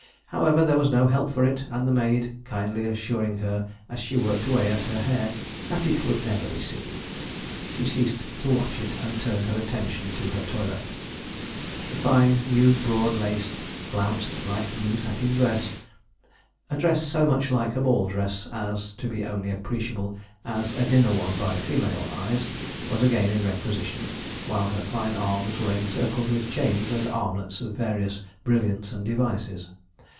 However, there was no help for it, and the maid kindly assuring her, as she worked away at her hair, that it 'would never be seen,' she ceased to watch it, and turned her attention to her toilette. The fine, new broad lace flounced, light blue satin dress a dress so much like a ball dress as to be only appreciable as a dinner one by female eyes was again in requisition; while her fine arms were encircled with chains and armlets of various brilliance and devices.